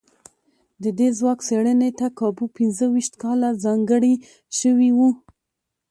د دې ځواک څېړنې ته کابو پينځو ويشت کاله ځانګړي شوي وو.